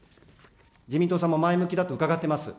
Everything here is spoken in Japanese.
自民党さんも前向きだと伺っております。